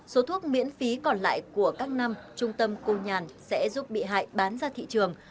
số thuốc miễn phí còn lại của các năm trung tâm cô nhàn sẽ giúp bị hại bán ra thị trường